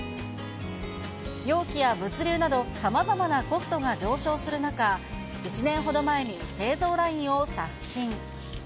容器や物流など、さまざまなコストが上昇する中、１年ほど前に製造ラインを刷新。